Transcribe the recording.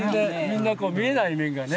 みんな見えない面がね。